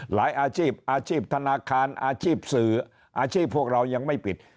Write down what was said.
อาชีพอาชีพธนาคารอาชีพสื่ออาชีพพวกเรายังไม่ปิด